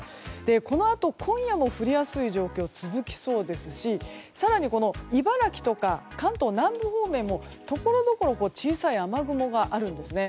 このあと、今夜も降りやすい状況続きそうですし更に、茨城とか関東南部方面もところどころ小さい雨雲があるんですね。